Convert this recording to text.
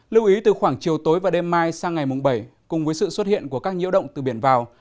lưu ý từ khoảng chiều tối và đêm mai sang ngày mùng bảy cùng với sự xuất hiện của các nhiễu động từ biển vào